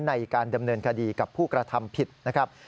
ในการดำเนินคดีกับผู้กระทำผิดนะครับ